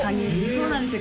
そうなんですよ